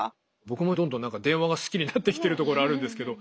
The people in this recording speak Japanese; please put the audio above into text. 僕もどんどん電話が好きになってきてるところあるんですけど。